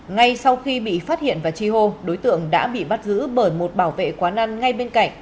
ngay sau khi bị phát hiện và chi hô đối tượng đã bị bắt giữ bởi một bảo vệ quán ăn ngay bên cạnh